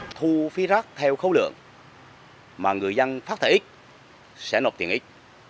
thu phí rác theo khối lượng mà người dân phát thải ít sẽ nộp tiền ít